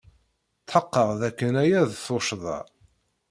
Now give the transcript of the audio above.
Tḥeqqeɣ dakken aya d tuccḍa.